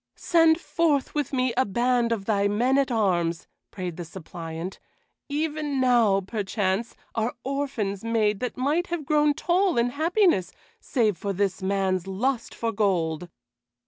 "Send forth with me a band of thy men at arms," prayed the suppliant. "Even now, perchance, are orphans made that might have grown tall in happiness save for this man's lust for gold."